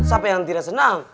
siapa yang tidak senang